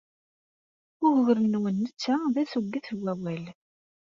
Ugur-nwen netta d assugget n wawal.